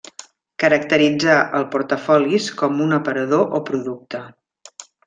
Caracteritzar el portafolis com un aparador o producte.